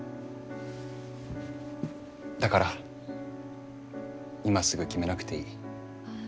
だから今すぐ決めなくていい。